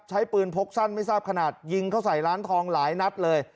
ใช้ปืนพกสั้นไม่ทราบขนาดยิงเข้าใส่ร้านทองหลายนัดเลย